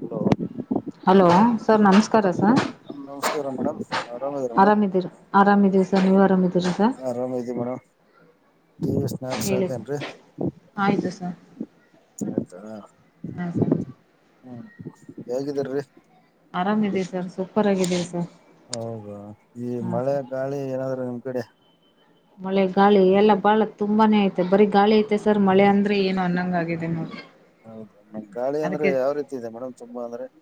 Hello. [unintelligible] Hello sir ನಮಸ್ಕಾರ madam sir. [inaudible] ನಮಸ್ಕಾರ madam ಆರಾಮು ಇದೀರಾ ಮೇಡಮ್ ಹ ಆರಾಮಿದ್ದೀರಾ ಆರಾಮಿದ್ದೀವಿ ಸರ್ ನೀವು ಆರಾಮಿದ್ದೀರಾ ಸರ್ ಆರಾಮು ಇದೀನಿ ಮೇಡಮ್. [inaudible] ಟೈಮ್ ಎಸ್ಟು. [inaudible] ಹೇಳಿ ಸರ್ ಆಯಿತು ಸರ್. [unintelligible] ಆಯ್ತಾ ಹಾಂ ಸರ್ ಹ್ಮ್ ಹೇಗಿದ್ದಾರೀ? [unintelligible] ಆರಾಮಿದ್ವಿ ತೋರಿಸು. [inaudible] ಏ ಹೌದುಈ ಹಾಂ ಮಳೆ ಸರ್ ಗಾಳಿ ಏನಾದ್ರೂ ನಿಮ್ ಕಡೆ? [inaudible] ಮಳೆ ಗಾಳಿ ಎಲ್ಲ ಬಾಳ ತುಂಬಾನೇ ಐತೆ ಬರೀ ಗಾಳಿ ಐತೆ ಸರ್ ಮಳೆ ಅಂದ್ರೆ ಏನು ಅನ್ನಂಗ ಆಗಿ. [inaudible] ಅದೇನೋ ನೋಡು? [inaudible] ಹೌದು ಗಾಳಿ ಅಂದ್ರೆ ಯಾವ ರೀತಿ ಇದೆ ಮೇಡಮ್ ತುಂಬಾ ಅಂದ್ರೆ? [inaudible]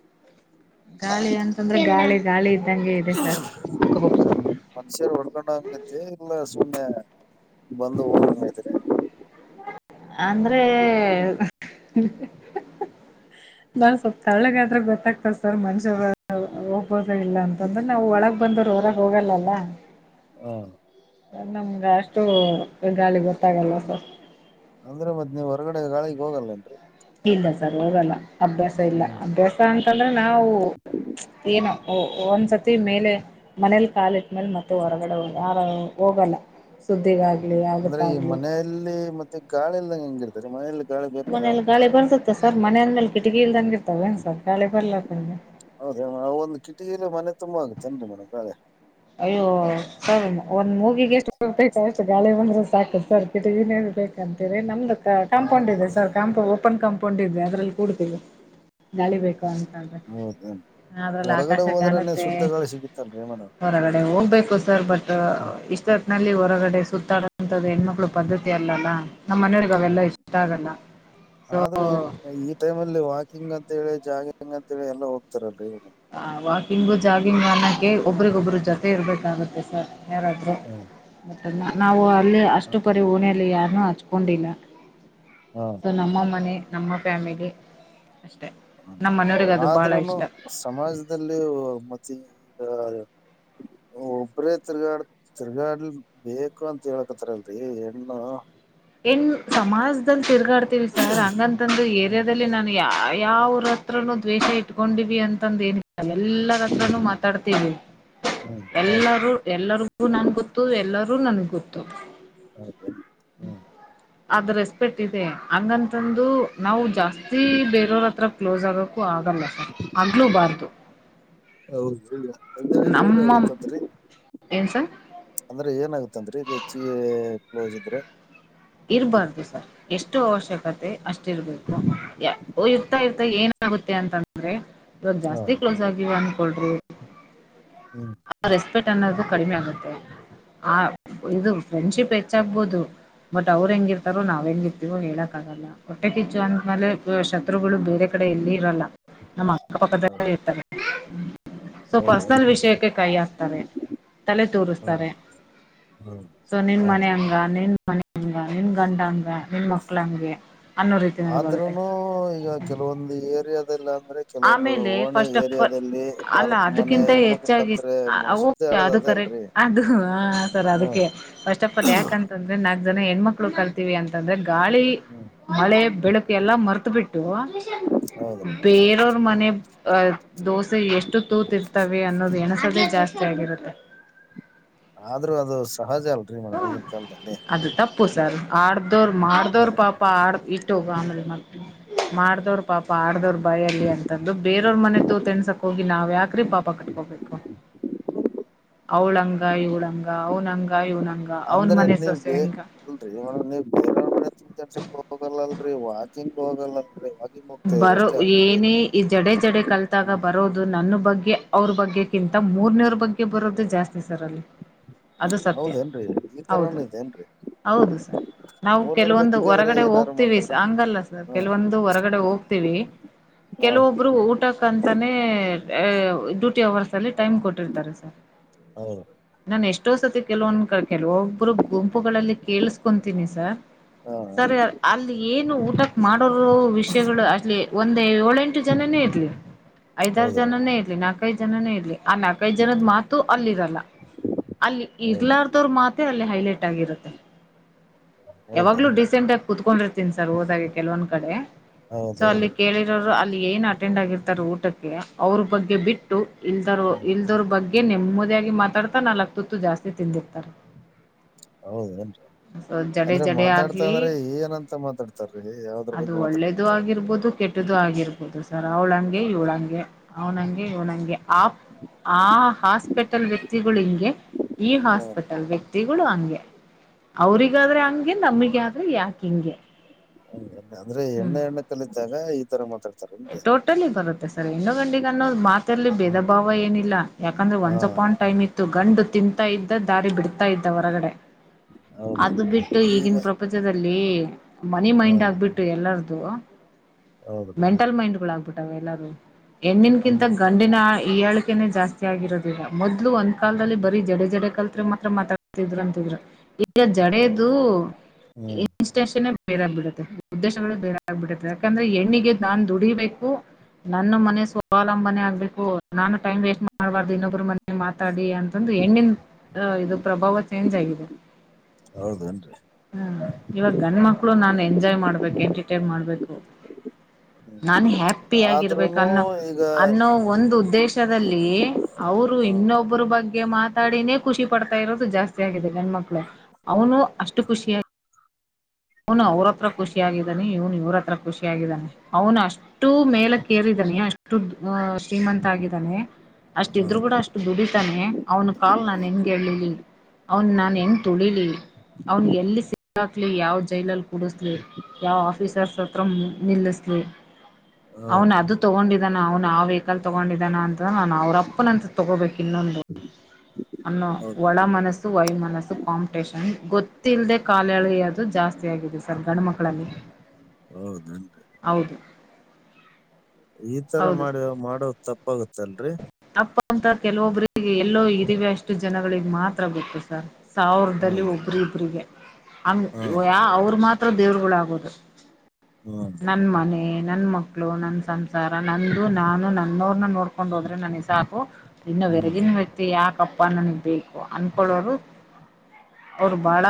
ಗಾಳಿ ಅಂತಂದ್ರೆ ಗಾಳಿ ಗಾಳಿ ಇದ್ದಂಗೆ ಇದೆ ಸರ್ ಅಕ್ಕಗೊಪ್ಸ. [unintelligible] ಅದು ಸರಿ ಹೊಳ್ಕೊಂಡ ಹಂಗತಿ ಇಲ್ಲ ಸುಮ್ನೆ ಬಂದು ಓಂಗತ್ರಿ! [inaudible] ಅಂದ್ರೆ! [unintelligible] ಇಲ್ಲಾಂದ್ರೆ ಸ್ವಲ್ಪ ತೆಲ್ಲಗಾದರೂ ಗೊತ್ತಾಗ್ತಿ ಸಾರ್ ಮನುಷ್ಯ ಹೋಗು. [unintelligible] ಕ್ಲೋಸ್ ಆಗಿಲ್ಲ ಅಂತಂದ್ರೆ! ನಾವು ಒಳಗೆ ಬಂದವರು ಹೊರಗಡೆ ಹೋಗಲ್ಲ ಅಲ್ಲ. [inaudible] ಹ. [inaudible] ಸರ್ ನಮ್ಗೆ ಅಷ್ಟು ಗಾಳಿ ಗೊತ್ತಾಗಲ್ಲ ಸರ್? [inaudible] ಅಂದ್ರೆ ಮತ್ತ್ ನೀವು ಹೊರಗಡೆ ಗಾಳಿಗೆ ಹೋಗಲ್ಲೇನ್ರರಿ. [inaudible] ಇಲ್ಲ ಸರ್ ಹೋಗಲ್ಲ ಅಭ್ಯಾಸ ಇಲ್ಲ ಹ್ಮ್ ಅಭ್ಯಾಸ ಅಂತಂದ್ರೆ ನಾವು? [inaudible] ಏನೋ ಒಂದ್ಸತಿ ಮೇಲೆ? [inaudible] ಮನೇಲಿ ಕಾಲಿಟ್ಟ್ಮೇಲೆ ಮತ್ತೆ ಹೊರಗಡೆ ಯ ಹೋಗಲ್ಲ ಸುದ್ದಿಗಾಗಿ? [inaudible] ಹ್ಮ ಅಂದ್ರೆ ಈ ಮನೆಯಲ್ಲಿ ಮತ್ತೆ ಗಾಳಿಯಲ್ಲ ಹೇಗಿರ್ತೀರ ಮನೆಯಲ್ಲಿ? [inaudible] ಮನೇಲಿ ಗಾಳಿ ಮನೆ ಬರ್ತತ್ತ ಸರ್ ಮನೇಲಿ ಅಂದ ಮೇಲೆ ಕಿಟಕಿಲ್ದಂಗ ಇರುತ್ತದೆಂಗೆ ಇರುತ್ತದೆ ಏನ್ ಸರ್ ಗಾಳಿ ಬರದಂಗೆ? [inaudible] ಹೌದ ಒಂದು ಕಿಟಕಿಲ್ಲ ಮನೆ ತುಂಬಾ [unintelligible] ಅಯ್ಯೋ ಸರ್ ಒಂದ್ ಮೂಗಿಗೆ ಎಷ್ಟು [unintelligible] ಗಾಳಿ ಬಂದ್ರೆ ಸಾಕು ಸರ್ ಕಿಟಗಿ ನೇ ಬೇಕಂತೀರಿ ನಮ್ದ ಕಾಂಪೌಂಡ್ ಗಾಳಿ ಇದೆ ಸರ್ ಕಾಂಪೌ ಓಪನ್ ಕಾಂಪೌಂಡ್ ಇದೆ ಅದರಲ್ಲಿ ಕೂಡ್ತೀವಿ ಗಾಳಿ ಬೇಕು- ಅಂತಂದ್ರೆ ಹೌದನ್ ಅದ್ರಲ್ಲಿ ಆಕಾಶ ಕಾಣುತ್ತೆ ಸಿಗುತ್ತಲ್ ರಿ ಮೇಡಂ ಹೊರಗಡೆ ಹೋಗ್ಬೇಕು ಸರ್ ಬಟ್ ಇಷ್ಟೊತ್ತನಲ್ಲಿ ಹೊರಗಡೆ ಸುತ್ತಾಡೋಂತದ್ದು ಹೆಣ್ಮಕ್ಕಳು ಪದ್ಧತಿ ಅಲ್ಲಲ್ಲಾ ನಮ್ಮನ್ನೆ ಯುವಿಗೆ ಅವೆಲ್ಲಾ ಇಷ್ಟಾ ಆಗಲ್ಲಾ ಆದ್ರೆ ಈ ಈ ಟೈಮಲ್ಲಿ ವಾಕಿಂಗ್ ಅಂತೇಳಿ ಜಾಗಿಂಗ್ ಅಂತೇಳಿ ಎಲ್ಲ ಹೋಗ್ತಾರಲ್ರಿ ಇವರು ಹಾ ವಾಕಿಂಗು ಜಾಗಿಂಗ್ ಅನ್ನೋಕ್ಕೆ ಒಬರಿಗೊಬ್ಬ್ರ ಜೊತೆ ಇರಬೇಕಾಗುತ್ತೆ ಸರ್ ಯಾರಾದರೂ ಮತ್ತನ್ನು ನಾವು ಅಲ್ಲಿ ಅಷ್ಟು ಪರಿ ಓಣಿಯಲ್ಲಿ ಯಾರನು ಹಚ್ಕೊಂಡಿಲ್ಲಾ ಹಾ ಅದು ನಮ್ಮ ಮನೆ ನಮ್ಮ ಫ್ಯಾಮಿಲಿ ಅಷ್ಟೆ ನಮ್ಮನೆಯವರಗಿ ಅದು ಬಹಳ ಆದ್ರೂನು ಇಷ್ಟ ಸಮಾಜದಲ್ಲಿ ಮತ್ತೆ ಈಗ ಒಬ್ಬರೇ ತಿರ್ಗಾಡ ತಿರ್ಗಾಡ್ಲಿ ಬೇಕು ಅಂತ ಹೇಳಕತ್ತರಿಲ್ರರಿ ಹೆಣ್ಣು ಏನ್ ಸಮಾಜದಲ್ಲಿ ತಿರುಗಾಡ್ತೀವಿ ಸರ್ ಹಂಗಂತಂದು ಏರಿಯಾದಲ್ಲಿ ನಾನು ಯಾ ಯಾವ [unintelligible] ಹತ್ರ ದ್ವೇಷ ಇಟ್ಕೊಂಡಿವಿ ಅಂತಂದೇನ ಎಲ್ಲರ ಹತ್ರನು ಮಾತಾಡ್ತೀವಿ ಹ್ಮ್ ಹೌದ್ರಿ ಎಲ್ಲರೂ ಎಲ್ಲರಿಗೂ ನಾನ್ ಗೊತ್ತು ಎಲ್ಲರೂ ನನ್ಗ ಗೊತ್ತು ಹೌದಾ ಅದರ ರೆಸ್ಪೆಕ್ಟ್ ಇದೆ ಹಂಗಂತಂದು ನಾವು ಜಾಸ್ತಿ ಬೇರೆಯವ್ರ ಹತ್ರ ಕ್ಲೋಸ್ ಆಗೋಕ್ಕೂ ಆಗಲ್ಲ ಆಗ್ಲೂ ಬಾರ್ದು ಹೌದು [unintelligible] [inaudible] ಏನ್ ಸರ್ ಅಂದ್ರೆ ಏನಾಗತ್ತನ್ರಿ ಈಗ ಹೆಚ್ಚಿಗೆ ಕ್ಲೋಸ್ ಇದ್ರೆ ಇರಬಾರ್ದು ಸರ್ ಎಷ್ಟು ಅವಶ್ಯಕತೆ ಅಷ್ಟಿರ್ಬೇಕು ಇರ್ತಾ ಇರ್ತಾ ಏನಾಗುತ್ತೆ ಅಂತಂದ ಅಂದ್ರೆ ಇ ಹಾ ಜಾಸ್ತಿ ಕ್ಲೋಸ್ ಆಗಿವ ಅನ್ಕೊಳ್ರಿ ಹುಂ ಆ ರೆಸ್ಪೆಕ್ಟ್ ಅನ್ನೋದು ಕಡಿಮೆ ಆಗುತ್ತೆ ಆ ಇದು ಫ್ರೆಂಡ್ ಶಿಪ್ ಹೆಚ್ಚಾಗಬಹುದು ಬಟ್ ಅವ್ರು ಹೆಂಗಿರ್ತಾರೋ ನಾವ್ ಹೆಂಗಿರ್ತತಿವೋ ಹೇಳಕ್ಕ ಆಗಲ್ಲಾ ಹೊಟ್ಟೆ ಕಿಚ್ಚು ಅಂದ್ಮೇಲೆ ಶತ್ರುಗಳು ಬೇರೆ ಕಡೆ ಎಲ್ಲಿ ಇರಲ್ಲ ನಮ್ಮ ಅಕ್ಕಪಕ್ಕದಲ್ಲೇ ಇರ್ತಾರೆ ಸೊ ಪರ್ಸನಲ್ ಹೌದೇನ್ರಿ ವಿಷಯಕ್ಕೆ ಕೈ ಹಾಕ್ತಾರೆ ತಲೆ ಹಾ ತೂರಿಸ್ತಾರೆ ಹಾ ಸೊ ನಿನ್ ಹ ಮನ ಅಂಗ ನಿನ್ ಮನಂಗ ನಿನ್ ಗಂಡಂಗ ನಿನ್ ಮಕ್ಳಂಗೆ ಆದ್ರೂನು ಈಗ ಕೆಲವೊಂದು ಏರಿಯಾದಲ್ಲಿ ಅಂದ್ರೆ ಕೆಲವೊಂದು ಆಮೇಲೆ ಓಣಿ ಫಸ್ಟ್ ಆಫ್ ಏರಿಯಾದ ಆಲ್ ಅಲ್ಲಿ ಅಲ್ಲ ನಾಲ್ಕು ಮನೆ ಅದಕ್ಕಿಂತ ಹೆಣ್ಮಕ್ಳು ಹೆಚ್ಚಾಗಿ ಕದ್ರೆ ಅದು ಕರೆಕ್ ಅದು ಹ ಸರ್ ಅದಕ್ಕೆ ಫಸ್ಟ್ ಆಫ್ ಆಲ್ ಯಾಕಂದ್ರೆ ಅಂತಂದ್ರೆ ನಾಕ್ ಜನ ಹೆಣ್ಮಕ್ಕಳು ಕಲ್ತೀವಿ ಅಂತಂದ್ರೆ ಗಾಳಿ ಹೂ ಮಳೆ ಬೆಳಕು ಎಲ್ಲಾ ಮರ್ತ ಬಿಟ್ಟು ಹೌದ್ರಿ ಬೇರವ್ರ ಮನೆ ಅಹ ದೋಸೆ ಎಷ್ಟು ತೂತಿರ್ತವೆ ಅನ್ನೋದು ಎಣಸೋದೇ ಜಾಸ್ತಿ ಆಗಿರುತ್ತೆ ಆದ್ರೂ ಅದು ಸಹಜ ಅಲ್ರರಿ ಮೇಡಮ್ ಈಗಿನ ಕಾಲದಲ್ಲಿ ಪಪ್ಪು ಸರ್ ಆಡ್ದವ್ರರು ಮಾಡ್ದವರು ಪಾಪ ಆಡ ಇಟ್ಟು ಹೋಗ ಆಮೇಲೆ ಮತ್ತೆ ಮಾಡ್ದವ್ರ ಮಾಡ್ದವ್ರ ಬಾಯ ಅಲ್ಲಿ ಅಂತಂದು ಬೇರವ್ರ ಮನೆ ತು ತೆನ್ಸಕ್ ಹೋಗಿ ನಾವ್ ಯಾಕ್ರೀ ಪಾಪ ಕಟ್ಕೋಬೇಕು ಅವಳಂಗ ಇವಳಂಗ ಅವನಂಗ ಇವ್ನಂಗ ಅವರ್ ಅಂದ್ರೆ ಮನೆ ನೀವ್ ಸೊಸೆ ಹಂಗ [unintelligible] ಬರೋ ಅಷ್ಟೇ ಅಲ್ರರಿ ಏನೇ ಈ ಜಡೆ ಜಡೆ ಕಲ್ತಾಗ ಹ್ಮ್ ಬರೋದು ನನ್ನ ಬಗ್ಗೆ ಅವ್ರ ಬಗ್ಗೆ ಕ್ಕಿಂತ ಮೂರ್ನೇವ್ರ ಬಗ್ಗೆ ಬರೋದು ಜಾಸ್ತಿ ಸರ್ ಅಲ್ಲಿ. ಅದು ಸತ್ಯ ಹೌದೇನ್ರರಿ ಈ ಹೌದು ತರನು ಇದೇನ್ರರಿ ಹೌದು ಸರ್ ನಾವು ಮೂರನೂರ್ ಕೆಲವೊಂದು ಬಗ್ಗೆ ಅಂದ್ರೆ ಹೊರಗಡೆ ಏನಾರು ಹೋಗ್ತಿವಿ ಮಾತಾಡ ಸಾ ಹಂಗಲ್ಲ ಸರ್ ಹ್ಮ ಕೆಲವೊಂದು ಹೊರಗಡೆ ಹೋಗ್ತೀವಿ ಕೆಲವೊಬ್ಬ್ ಊಟಕ್ಕಂತಾನೆ ಅ ಡ್ಯೂಟಿ ಅವರ್ಸ್ ಅಲ್ಲಿ ಟೈಮ್ ಕೊಟ್ಟಿರ್ತಾರೆ ಸರ್. ಹೌದ್ರಿ ನಾನ್ ಎಷ್ಟೋ ಸತಿ ಕೆಲವೊಂದು ಕೆಲವೊಬ್ರು ಗುಂಪುಗಳಲ್ಲಿ ಕೇಳಿಸ್ಕೊಂತೀನಿ ಸರ್ ಹಾ ಸರ್ ಅಲ್ಲಿ ಏನು ಊಟಕ್ ಮಾಡೋರು ವಿಷ್ ಗಳು ಅಲ್ಲಿ ಒಂದ ಏಳೆಂಟು ಜನನೇ ಇರ್ಲಿ ಐದಾರು ಹೌದ್ರಿ ಜನಾನೇ ಇರ್ಲಿ ನಾ ನಾಲ್ಕೈದ ಜನನೇ ಇರ್ಲಿ ಆ ನಾಲ್ಕೈದು ಜನದ ಮಾತು ಅಲ್ಲಿ ಇರಲ್ಲಾ. ಅಲ್ಲಿ ಹೌದ ಇರ್ಲಾರ್ದವ್ರ ಮಾತೆ ಅಲ್ಲಿ ಹೈಲೈಟ್ ಆಗಿರುತ್ತೆ ಯಾವಾಗ್ಲೂ ಹೌದೇನ್ರಿ ಡೀಸೆಂಟ್ ಆಗಿ ಕುತ್ಕೊಂಡಿರ್ತೀನಿ ಸರ್ ಹೋದಾಗ ಕೆಲವೊಂದ್ ಕಡೆ ಸೊ ಅಲ್ಲಿ ಹೌದೌದ್ರಿ ಕೇಳಿರೋರು ಅಲ್ಲಿ ಏನ್ ಅಟೆಂಡ್ ಆಗಿರ್ತಾರ ಊಟಕ್ಕೆ ಅವ್ರ ಬಗ್ಗೆ ಬಿಟ್ ಇಲ್ದರು ಇಲ್ದೋರ್ ಬಗ್ಗೆ ನೆಮ್ಮದಿಯಾಗಿ ಮಾತಾಡ್ತಾ ನಾಲಕ್ ತುತ್ತು ಜಾಸ್ತಿ ತಿಂದಿರ್ತಾರೆ. ಹೌದೆನ್ರಿ ಸೊ ಜಡೆ ಅಂದ್ರೆ ಜಡೆ ಮಾತಾಡ್ತಾ ಆಗ್ಲಿ ಅಂದ್ರೆ ಏನಂತ ಮಾತಾಡ್ತಾರೀ ಯಾವದ್ರ ಬಗ್ಗೆ ಮಾತಾಡ್ತಿರ್ ದು ಆಗಿರ್ಬೊದು ಕೆಟ್ಟದ್ದು ಆಗಿರ್ಬೊದು ಸರ್ ಅವಳಂಗೆ ಇವಳಂಗೆ ಅವ್ನಂಗೆ ಇವ್ನಂಗೆ ಆಪ್ ಆ ಹಾಸ್ಪಿಟಲ್ ವ್ಯಕ್ತಿಗಳು ಹಿಂಗೆ ಈ ಹ್ಮ ಹಾಸ್ಪಿಟಲ್ ವ್ಯಕ್ತಿ ವ್ಯಕ್ತಿಗಳು ಹಂಗೆ ಅವ್ರಿಗಾದ್ರೆ ಹಂಗೆ ನಮಗ್ ಆದ್ರೆ ಯಾಕೆ ಹಿಂಗೆ ಹಂಗ ಅಂದ್ರೆ ಹೆಣ್ಣು ಹ್ಮ್ ಹೆಣ್ಣು ಕಲಿತಾಗ ಈ ತರ ಮಾತಾಡ್ತಾರೆ. ಟೋಟಲಿ ಬರುತ್ತೆ ಸರ್ ಹೆಣ್ಣು ಗಂಡಿಗೆ ಅನ್ನೋದು ಮಾತ ತಲಿ ಭೇದ ಹ್ಮ್ ಭಾವ ಏನಿಲ್ಲ ಯಾಕಂದ್ರ ಹಾ ಒನ್ಸ್ಅಪಾಂನ್ ಟೈಮ್ ಇತ್ತ ತ್ತುಗಂಡು ತಿಂತಾ ಇದ್ದಾ ದಾರಿ ಬಿಡ್ತಾ ಇದ್ದಾ ಹೊರಗಡೆ. ಹೌದೇನ್ರಿ ಅದುಬಿಟ್ಟು ಈಗ ಈಗಿನ ಪ್ರಪಂಚದಲ್ಲಿ ಮನಿ ಹಾ ಮೈಂಡ್ ಆಗ್ಬಿಟ್ಟು ಎಲ್ಲಾರ್ದೂ ಹೌದ್ರಿ ಮೆಂಟಲ್ ಮೈಂಡುಗಳು ಆಗ್ಬಿಟ್ಟಾವೆ ಎಲ್ಲಾರೂ. ಹೆಣ್ಣಿಗಿಂತ ಅಂದ್ರ ಗಂಡಿನ್ ಆ ಈಯಳಿಕೆನೆ ಜಾಸ್ತಿ ಆಗಿರೋದೀಗ ಮೊದ್ಲೂ ಒ ಕಾಲದಲ್ಲಿ ಬರೀ ಜಡೆ ಜಡೆ ಕಲ್ತ್ರೆ ಮಾತ್ರ ಮಾತಾಡ್ತಿದ್ರು ಅಂತಿದ್ರು ಈ ಹೌದ್ ಜಡೆದೂ [inaudible] ಹ್ಮ್ [unintelligible] ಬೇರೆ ಆಗ್ಬಿಡತ್ತೆ ಉದ್ದೇಶಗಳೆ ಬೇರೆ ಆಗ್ಬಿಡತ್ತೆ ಯಾಕಂದ್ರೆ ಹೆಣ್ಣಿಗೆ ನಾನ್ ದುಡಿಬೇಕು ನನ್ನ ಮನೆ ಸ್ವಾವಲಂಬನೆ ಆಗ್ಬೇಕೂ ನಾನು ಟೈಮ್ ವೇಸ್ಟ್ ಮಾಡಬಾರದು ಇನ್ನೊಬ್ರ ಮ ಮಾತಾಡಿ ಅಂತಂದು ಹೆಣ್ಣಿನ್ ಇದು ಪ್ರಭಾವ ಚೇಂಜ್ ಆಗಿದೆ. ಹೌದನ್ರಿ. ಹ್ಮ ಇವಾಗ ಗಂಡ ಮಕ್ಳು ನಾನ್ ಎಂಜಾಯ್ ಮಾಡ್ಬೇಕ್ ಎಂಟರ್ಟೈನ್ ಮಾಡ್ಬೇಕು ಹ್ಮ್ ನಾನ್ ಹ್ಯಾಪ್ಪಿ ಆಗಿರ್ಬೇಕ್ ಆದ್ರೂನು ಅನ್ನೊ ಈಗ ಅನ್ನೋ ಒಂದು ಉದ್ದೇಶದಲ್ಲೀ ಅವರು ಹಾ ಇನ್ನೊಬ್ಬರ ಬಗ್ಗೆ ಮಾತಾಡಿನೇ ಖುಷಿ ಪಡ್ತಾ ಇರೋದು ಜಾಸ್ತಿ. ಆಗಿದೆ ಗಂಡು ಮಕ್ಳು ಅವನು ಅಷ್ಟು ಖುಷಿಯಾಗಿ ಅವನು ಅವ್ರ ಹತ್ರ ಖುಷಿಯಾಗಿದ್ದಾನೆ ಇವನು ಇವ್ರ ಹತ್ರ ಖುಷಿಯಾಗಿದ್ದಾನೆ ಅವನ್ ಅಷ್ಟ್ ಅಷ್ಟೂ ಮೇಲಕ್ಕೇರಿದ್ದಾನೆ ಅಷ್ಟು ಅ ಶ್ರೀಮಂತ ಆಗಿದಾನೆ ಅಷ್ಟಇದ್ರು ಕೂಡ ಹೌದ್ರಿ ಅಷ್ಟು ದುಡಿತಾನೆ ಅವನ್ ಕಾಲ್ ಹಾ ನಾನ್ ಹೆಂಗ್ ಹೇಳಿಲಿ ಅವನ್ ನಾನ್ ಹೆಂಗ ತುಳಿಲಿ, ಅವ್ನ ಎಲ್ಲಿ ಸಿಕ್ಕಾಕ್ಲಿ ಯಾವ್ದ ಜೈಲಲ್ಲಿ ಕೂಡಿಸ್ಲಿ ಯಾವ ಆಫೀಸರ್ಸ್ ಹತ್ರ ನಿಲ್ಲಿಸ್ಲಿ ಅವನ್ ಹೌದ್ ಅದು ತೊಗೊಂಡಿದಾನ ಅವ್ನು ಆ ವೆಹಿಕಲ್ ತಗೊಂಡಿದ್ದಾನ ಅಂತ ನಾನ್ ಅವ್ರಪ್ಪನಂತ ತೊಗೋಬೇಕು ಇನ್ನೊಂದು ಹ್ಞೂ [inaudible] ಅನ್ನೋ ಒಳ ಮನಸ್ ವೈಮನಸ್ಸು. ಕಾಂಪಿಟೇಷನ್ ಗೊತ್ತಿಲ್ಲದೆ ಕಾಲೆಳಿಯೋದುಜಾಸ್ತಿ ಆಗಿದೆ ಸರ್ ಗಂಡ ಮಕ್ಕಳಲ್ಲಿ. ಹ [inaudible] ಹೌದನ್ ರಿ ಹೌದು, ಈ ತರ ಹೌದು ಮಾಡ್ಯ ಮಾಡೋದ ತಪ್ಪಾಗತ್ತ ಅಲ್ರಿ ತಪ್ಪ ಅಂತ ಕೆಲವೊಬ್ರಿಗೆ ಎಲ್ಲೋ ಇರುವೆ ಅಷ್ಟು ಜನಗಳಿಗೆ ಮಾತ್ರ ಗೊತ್ತು ಸರ್. ಸಾವಿರದಲ್ಲಿ ಹ್ಮ್ ಒಬ್ರ ಇಬ್ರರಿಗೆ ಹಂಗ ಹಾ ಯ ಅವರು ಮಾತ್ರ ದೇವ್ರುಗಳಾಗೋದು. ಹ್ಮ [inaudible] ನನ್ನ ಮನೆ ನನ್ ಮಕ್ಳು ನನ್ನ ಸಂಸಾರ ನಂದು ನಾನು ನನ್ನವ್ರನ್ನ ನೋಡ್ಕೊಂಡು ಹೋದ್ರೆ ನನಗ ಸಾಕು ಇನ್ನು ಹ್ಮ್ ಹೊರಗಿನ ವ್ಯಕ್ತಿ ಯಾಕಪ್ಪ ನನಗ್ ಬೇಕು ಅನ್ಕೊಳ್ಳೋರು ಅವ್ರು ಬಾಳ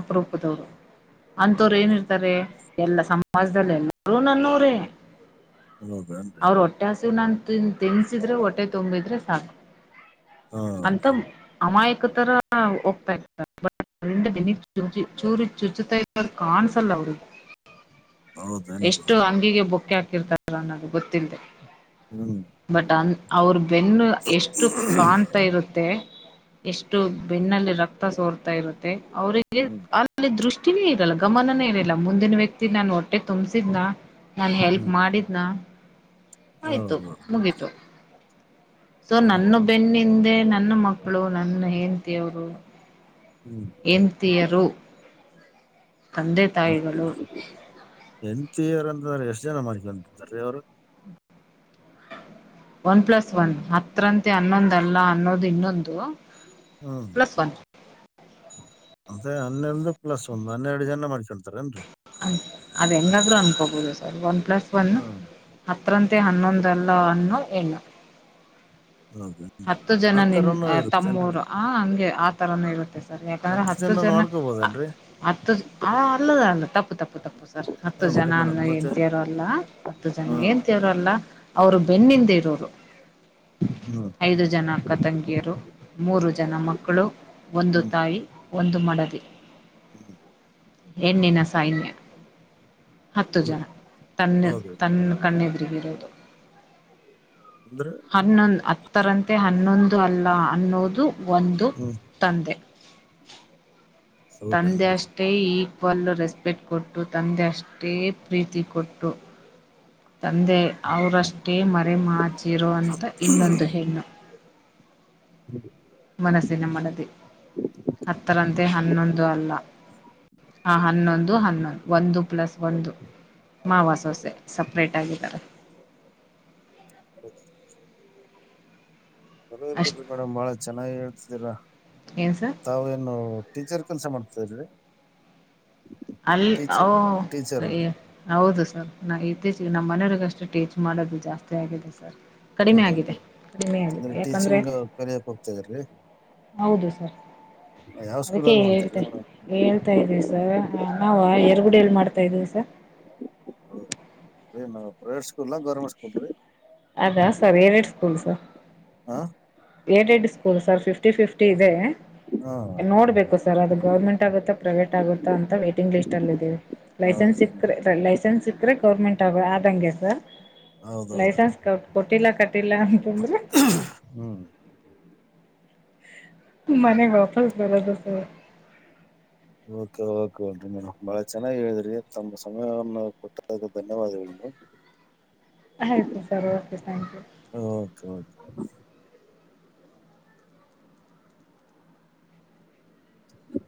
ಅಪರೂಪದವ್ರು. ಅಂತವರು ಏಲ್ಲಿರ್ತಾರೆ ಎಲ್ಲಾ ಸಮಾಜದಲ್ಲ ಎಲ್ಲರು ನನ್ನವ್ರೇ ಹೌದಾ, [unintelligible] ಟಾಸು ನನ್ ತೆನ್ಸಿದ್ರೆ ಹೊಟ್ಟೆ ತಂಬಿದ್ರೆ ಸಾಕು ಹಾ ಅಂತ ಅಮಾಯಕ ತರ ಹೋಗ್ತಾ ಇರತಾರೆ. ಇಂದ ಬೆನ್ನಿಗಿಚೂರಿ ಚುಚ್ತಾಇರದ ಕಾನ್ಸಲ್ ಅವರಿಗೆ. ಹೌದೇನ್ರಿ ಎಷ್ಟು ಅಂಗಡಿಗೆ ಬೊಕ್ಕೆೆ ಹಾಕಿರ್ತಾರ ನನಗ ಗೊತ್ತಿಲ್ಲದೆ. ಹ್ಮ್ ಬಟ್ ಅ ಅವ್ರ ಬೆನ್ನು ಎಷ್ಟು ಕಾಣ್ತಾ ಇರುತ್ತೆ. ಎಷ್ಟು ಬೆನ್ನಲ್ಲಿ ರಕ್ತ ಸೋರ್ತಾ ಇರುತ್ತೆ ಅವರಿಗೆ ಹ್ಮ್ ಅಲ್ಲಿ ದೃಷ್ಟಿನೇ ಇರಲ್ಲ ಗಮನೇ ಇರಿಲ್ಲ ಮುಂದಿನ ವ್ಯಕ್ತಿ ನಾನು ಹೊಟ್ಟೆ ತುಂಬಸಿದನ ನಾನು ಹೆಲ್ಪ್ ಹ್ಮ್ ಮಾಡಿದ್ದ್ನ ಆಯಿತು ಹೌದು ಮುಗೀತು. ಸೊ ನನ್ನ ಹ್ಮ್ ಬೆನ್ನಿಂದೆ ನನ್ನ ಮಕ್ಕಳು ನನ್ನ ಹೆಂಡ್ತಿ ಅವರು ಹ್ಮ್, ಎ [unintelligible] ತಿಯರು ಹೆಂಡ್ತಿ ಯರ ಅಂದ್ರೆ ಎಷ್ಟು ಜನ ಮಾಡ್ಕೊಂತಾರಿಅವ್ರು. ಒನ್ ಪ್ಲಸ್ ಒನ್ ಹತ್ರರಂತೆ ಹನ್ನೊಂದಲ್ಲ ಅನ್ನೋದು ಇನ್ನೊಂದು. ಹ್ಮ್, ಪ್ಲಸ್ ಒನ್ ಮತ್ತೆ ಹನ್ನೊಂದು ಪ್ಲಸ್ ಒಂದು ಹನ್ನೆರಡು ಜನ ಮಾಡ್ಕೊಳ್ತಾರ ಏನ್ರಿ. ಅದ ಹೆಂಗಾದ್ರೂ ಅನ್ಕೋಬೋದು ಸರ್ ಒನ್ ಪ್ಲಸ್ ಒನ್ ಹ್ಮ್ ಹತ್ರರಂತೆ ಹನ್ನೊಂದಲ್ಲ ಅನ್ನೊ ಹೆಣ್ಣು. - ಹೌ ಹ [inaudible] ಹತ್ತು ಜನ ನಿನ್ ತಮ್ಮೊರು ಆ ಹಂಗೆ ಆ ತರಾನೆ ಇರುತ್ತೆ. ಸರಿ ಯಾಕಂದ್ರೆ ಹತ್ತು ಜನ ಹತ್ತು ಅಲ್ಲದ ಅಲ್ಲ ತಪ್ಪು, ತಪ್ಪು, ತಪ್ಪು. ಸರ್ ಹತ್ತು ಹೂನ್ರಿ ಜನ ಅನ್ನ ಮೇಡಮ್ ಮತ್ತೆ ಹೆಂಡ್ತಿ ತೇರ ಅಲ್ಲ. ಹತ್ತು ಜನ ಹಾ ಹೆಂಡತಿ ಯರು ಅಲ್ಲಾ ಅವರು ಬೆನ್ನಿಂದ ಇರೋರು. ಹ್ಮ [inaudible] ಐದು ಜನ ಅಕ್ಕ ತಂಗಿಯರು ಮೂರು ಜನ ಮಕ್ಕಳು ಒಂದು ತಾಯಿ, ಒಂದು ಮಡದಿ ಹ್ಮ [inaudible] ಹೆಣ್ಣಿನ ಸೈನ್ಯ ಹತ್ತು ಹೌದ್ ಜನ ತನ್ನ ಹೌದ್ರಿ ತನ್ನ ಕಣ್ಣೆದುರುಗಿರೋದು. ಅೊಂದ್ರೆ [inaudible] ಹನ್ನೊಂದು ಹತ್ತರಂತೆ ಹನ್ನೊಂದು ಅಲ್ಲ ಅನ್ನೋದು ಒಂದು ಹ್ಮ್ ತಂದೆ. ತಂದೆ ಹೌದೇನ್ರಿ ಅಷ್ಟೇ ಈಕ್ವಲ್ ರೆಸ್ಪೆಕ್ಟ್ ಕೊಟ್ಟು ತಂದೆ ಅಷ್ಟೇ ಪ್ರೀತಿ ಕೊಟ್ಟು ತಂದೆ ಅವರಷ್ಟೇ ಮರೆಮಚಿರೋ ಅಂತ ಇನ್ನೊಂದು ಹೆಣ್ಣು. [inaudible] ಮನಸ್ಸಿನ ಮನದಿ ಹತ್ತರಂತೆ ಹನ್ನೊಂದು ಅಲ್ಲ. ಹಾ ಹನ್ನೊಂದು ಹನ್ನೊಂದು ಒಂದು ಪ್ಲಸ್ ಒಂದು. ಮಾವ ಸೊಸೆ ಸಪ್ರೇಟ್ ಆಗಿದ್ದಾರೆ. [inaudible] ಪರ್ವಾಗಿಲ್ಲ ಅಷ್ಟ ಬಿಡ್ರಿ ಮೇಡಂ ಬಾಳ ಚೆನ್ನಾಗಿ ಹೇಳ್ತಿದೀರಾ. ಏನ್ ಸರ್. ತಾವು ಏನ್ ಟೀಚರ್ ಕೆಲಸ ಮಾಡ್ತ್ರರೀ. ಟೀಚರ್ ಅಲ್ಲಿಹೇ ಹೌದು ಸರ್ ನಾ ಇತ್ತೀಚೆಗೆ ನಮ್ಮ ಮನೆಯರಿಗಷ್ಟೇ ಟೀಚ್ ಮಾಡೋದು ಜಾಸ್ತಿ ಆಗಿದೆ ಸರ್. ಕಡಿಮೆ ಹೌದೇನ್ರಿ ಆಗಿದೆ ಕಡಿಮೆ ಆಗಿದೆ ಅಂದ್ರೆ ಯಾಕಂದ್ರೆ. ಟೀಚಿಂಗ್ ಕಲಿಯಕ್ ಹೋಗ್ತಿದ್ರಿ ಹೌದು ಸರ್. ಯಾವ್ ಸ್ಕೂಲ್ ಅದಕ್ಕೆ ಅಲ್ಲಿ ವರ್ಕ್ ಮಾಡ್ತೀರಿ ಹೇಳ್ತೆ ಮೇಡಂ. ಹೇಳ್ತಾ ಇದ್ದೀವಿ ಸರ್ ನಾವ ಎರ್ಗುಡಿ ಹ್ಮ್ ಅಲ್ಲಿ ಮಾಡ್ತಾಯ್ದೀವಿ ಸರ್ ರೀ ಮೇಡಂ ಪ್ರೈವೇಟ್ ಸ್ಕೂಲ್ಲ ಗರ್ಮೆಂಟ್ ಸ್ಕೂಲ್ ರೀ. ಅದ ಸರ್ ಏಡೆಡ್ ಸ್ಕೂಲ್ ಸರ್. ಹಾ aided school sir fifty fifty ಇದೆ. ಹಾ ನೋಡ್ಬೇಕು ಸರ್ ಅದು ಗೌರ್ಮೆಂಟ್ ಆಗುತ್ತಾ ಪ್ರೈವೇಟ್ ಆಗುತ್ತಾ ಅಂತ ವೈಟಿಂಗ್ ಲಿಸ್ಟ್ ಅಲ್ಲಿ ಇದೀವಿ. ಲೈಸೆನ್ಸ್ ಸಿಕ್. ಹೌದೇನ್ರಿ ಕ್ರೆ ಲೈಸೆನ್ಸ್ ಸಿಕ್ಕ್ರೆ ಗೌರ್ಮೆಂಟ್ ಆ ಆದಂಗೆ ಸರ್ ಹೌದೌದ್ರಿ ಲೈಸೆನ್ಸ್ ಕೊಟ್ಟಿಲ್ಲ. ಟ್ಟಿಲ್ಲ ಅಂತಂದ್ರೆ. ಹ್ಮ್ ಮನೆಗ್ ವಾಪಸ್ ಬರೋದು ಸರ್. ಓಕೆ ಓಕೆ ಮೇಡಮ್ ಬಾಳ ಚೆನ್ನಾಗಿ ಹೇಳಿದ್ರಿ ತಮ್ಮ ಸಮಯವನ್ನು ಕೊಟ್ಟದಕ್ಕೆ ಧನ್ಯವಾದಗಳು ಮೇಡಂ. ಆಯ್ತು ಸರಿ okay thank you. Okay okay. [unintelligible]